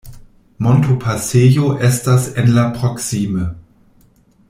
Montopasejo estas en la proksime.